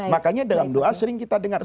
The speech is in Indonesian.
makanya dalam doa sering kita dengar